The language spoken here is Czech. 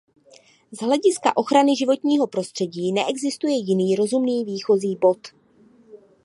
Z hlediska ochrany životního prostředí neexistuje jiný rozumný výchozí bod.